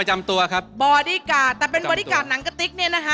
หมายถึงอะไร